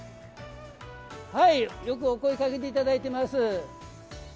よくお声かけていただいてます。